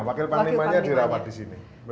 wakil panglimanya dirawat di sini